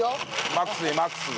マックスにマックスで。